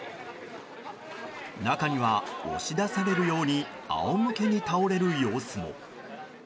中には押し出されるようにあお向けに倒れる様子も。